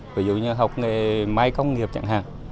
ví dụ như học nghề may công nghiệp chẳng hạn